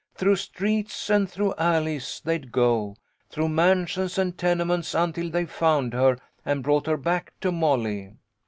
" Through streets and through alleys they'd go, through mansions and tenements until they found her and brought her back to Molly.